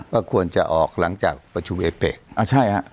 ก็ควรจะออกหลังจากประชุมเอเปะอ่าใช่ฮะ